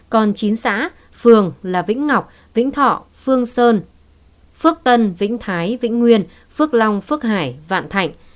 còn chín xã phường là vĩnh ngọc vĩnh thọ phương sơn phước tân vĩnh thái vĩnh nguyên phước long phước hải vạn thạnh